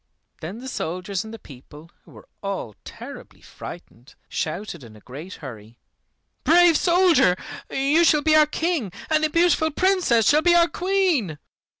Then the soldiers and the people, who were all terribly frightened, shouted in a great hurry, "Brave soldier, you shall be our King, and the beautiful Princess shall be our Queen!"